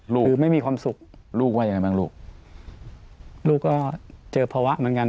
คือไม่มีความสุขลูกว่ายังไงบ้างลูกลูกก็เจอภาวะเหมือนกัน